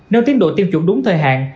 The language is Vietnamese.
nếu tiến độ tiêm chủng đúng thời hạn